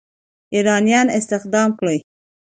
ایرانیان استخدام کړي.